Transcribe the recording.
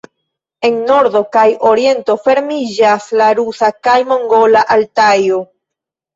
En nordo kaj oriento fermiĝas la rusa kaj mongola Altajo.